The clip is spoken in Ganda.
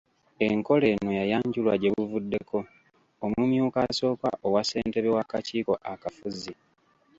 Enkola eno yayanjulwa gyebuvuddeko, Omumyuka Asooka owa Ssentebe w'Akakiiko Akafuzi.